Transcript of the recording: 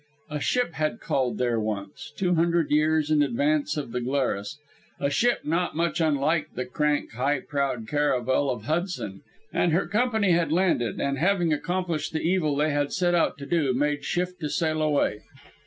A ship had called there once, two hundred years in advance of the Glarus a ship not much unlike the crank high prowed caravel of Hudson, and her company had landed, and having accomplished the evil they had set out to do, made shift to sail away.